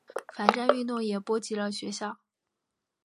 反战运动也波及了学校。